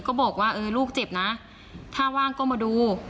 ก็บอกว่าเออลูกเจ็บนะถ้าว่างก็มาดู